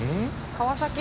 川崎？